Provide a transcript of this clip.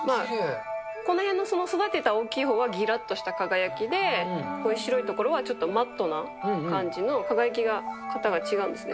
この辺の育てた大きいほうはぎらっとした輝きで、こういう白い所はちょっとマットな感じの、輝き方が違うんですね。